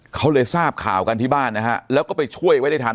เขาเลยทราบข่าวกันที่บ้านนะฮะแล้วก็ไปช่วยไว้ได้ทัน